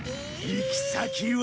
行き先は。